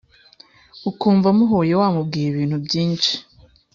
ukumva muhuye wamubwira ibintu byinshi